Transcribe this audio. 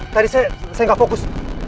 tadi saya gak fokus